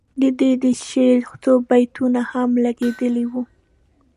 د ده د شعر څو بیتونه هم لګیدلي وو.